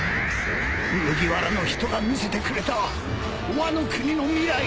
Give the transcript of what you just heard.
麦わらの人が見せてくれたワノ国の未来